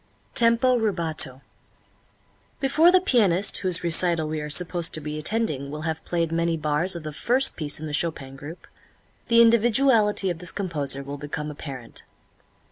Tempo Rubato. Before the pianist whose recital we are supposed to be attending will have played many bars of the first piece in the Chopin group, the individuality of this composer will become apparent.